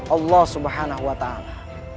allah subhanahu wa ta'ala